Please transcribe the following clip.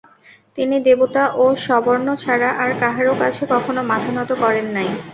তিনি দেবতা ও স্ববর্ণ ছাড়া আর কাহারও কাছে কখনও মাথা নত করেন নাই।